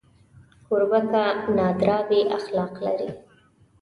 کوربه که نادار وي، اخلاق لري.